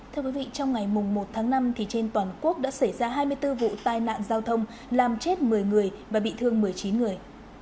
thưa quý vị trong ngày một tháng năm trên toàn quốc đã xảy ra hai mươi bốn vụ tai nạn giao thông làm chết một mươi người và bị thương một mươi chín người